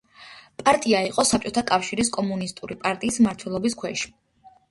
პარტია იყო საბჭოთა კავშირის კომუნისტური პარტიის მმართველობის ქვეშ.